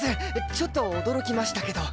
ちょっと驚きましたけど。